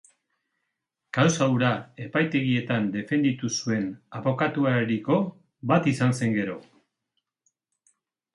Kausa hura epaitegietan defenditu zuen abokatuetariko bat izan zen gero.